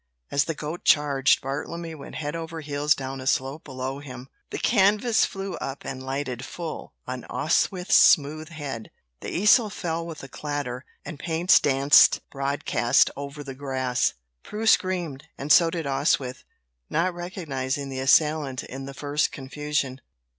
As the goat charged Bartlemy went head over heels down a slope below him; the canvas flew up and lighted full on Oswyth's smooth head; the easel fell with a clatter, and paints danced broadcast over the grass. Prue screamed, and so did Oswyth, not recognizing the assailant in the first confusion.